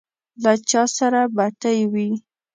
له چا سره بتۍ وې.